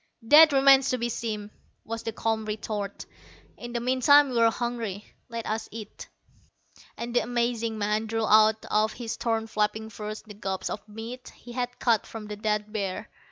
"That remains to be seen," was the calm retort. "In the meantime, we're hungry. Let us eat." And the amazing man drew out of his torn flapping furs the gobs of meat he had cut from the dead bear.